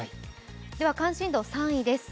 では関心度３位です。